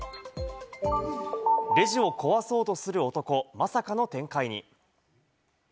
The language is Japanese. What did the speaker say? レジを壊そうとする男、まさかの展開に。